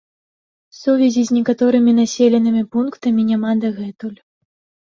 Сувязі з некаторымі населенымі пунктамі няма дагэтуль.